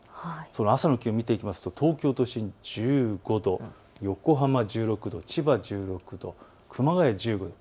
その朝の気温を見ていくと東京都心１５度、横浜１６度、千葉１６度、熊谷１５度。